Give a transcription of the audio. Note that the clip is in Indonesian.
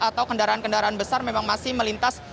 atau kendaraan kendaraan besar memang masih melintas